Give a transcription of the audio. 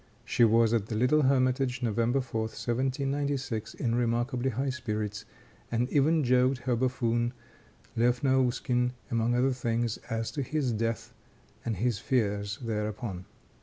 She was at the Little Hermitage November 4, 1796, in remarkably high spirits, and even joked her buffoon, Leof Nauskin, among other things, as to his death and his fears thereupon.